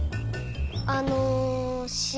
あのしお